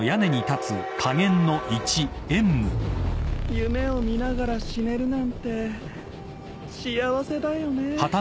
夢を見ながら死ねるなんて幸せだよね。